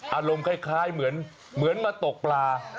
อารมณ์คล้ายเหมือนมาตกปลา